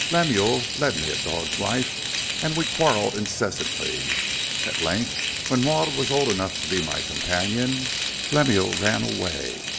Lemuel led me a dog's life, and we quarrelled incessantly. At length, when Maud was old enough to be my companion, Lemuel ran away.